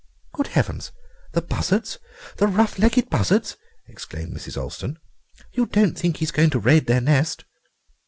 "Good heavens! The buzzards, the rough legged buzzards!" exclaimed Mrs. Olston; "you don't think he's going to raid their nest?"